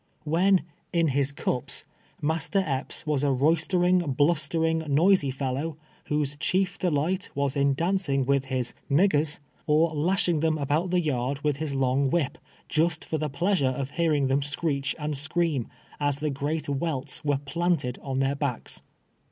AVhen '* in his cups," Master Epps was a roys tering, blustering, noisy fellow, whose chief delight was in dancing with his " niggers," or lashing them about the yard witli his long whip, just for the pleas m'e of hearing them screech and scream, as the great welts were planted on their backs.